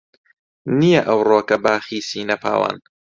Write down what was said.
نییە ئەوڕۆکە باخی سینە پاوان